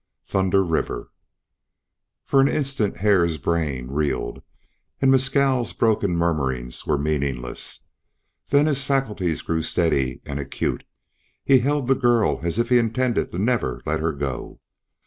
THUNDER RIVER FOR an instant Hare's brain reeled, and Mescal's broken murmurings were meaningless. Then his faculties grew steady and acute; he held the girl as if he intended never to let her go.